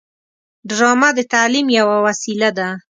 ډرامه د تعلیم یوه وسیله ده